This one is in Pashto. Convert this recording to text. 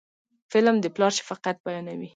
فلم د پلار شفقت بیانوي